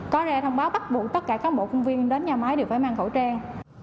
có ra thông báo bắt buộc tất cả các bộ công viên đến nhà máy đều phải mang khẩu trang